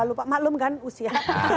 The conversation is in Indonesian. kalau pak maklum kan usia